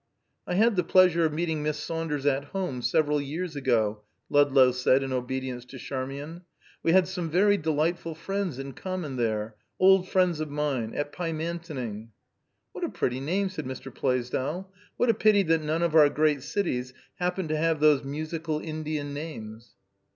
"I had the pleasure of meeting Miss Saunders at home, several years ago," Ludlow said in obedience to Charmian. "We had some very delightful friends in common, there old friends of mine at Pymantoning." "What a pretty name," said Mr. Plaisdell. "What a pity that none of our great cities happen to have those musical Indian names."